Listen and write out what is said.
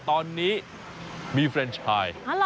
ตอนนี้มีเฟรนชาย